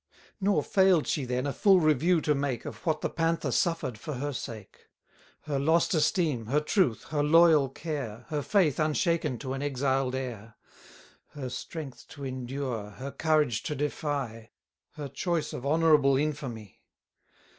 Nor fail'd she then a full review to make Of what the Panther suffer'd for her sake: 40 Her lost esteem, her truth, her loyal care, Her faith unshaken to an exiled heir, Her strength to endure, her courage to defy; Her choice of honourable infamy.